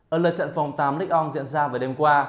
ở lần trận phòng tám ligue một diễn ra vào đêm qua